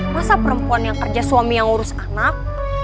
masa perempuan yang kerja suami yang ngurus anak